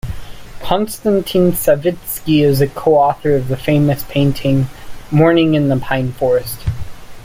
Konstantin Savitsky is a co-author of the famous painting "Morning in the Pine Forest".